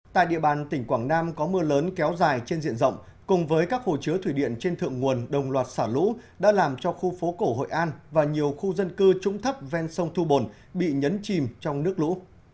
tại địa bàn tỉnh quảng nam có mưa lớn kéo dài trên diện rộng cùng với các hồ chứa thủy điện trên thượng nguồn đồng loạt xả lũ đã làm cho khu phố cổ hội an và nhiều khu dân cư trũng thấp ven sông thu bồn bị nhấn chìm trong nước lũ